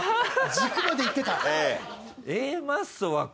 軸まで言ってた！？